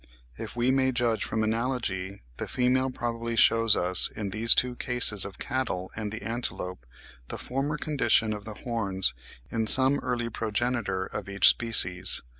If we may judge from analogy, the female probably shews us, in these two cases of cattle and the antelope, the former condition of the horns in some early progenitor of each species.